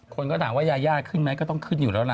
คนก็ถามว่ายายาขึ้นไหมก็ต้องขึ้นอยู่แล้วล่ะ